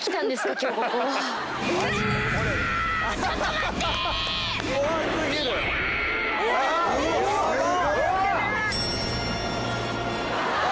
ちょっと待って！